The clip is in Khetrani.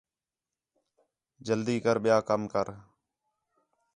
جلدی کر ٻِیا کم کر